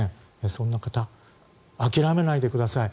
そんな方、諦めないでください。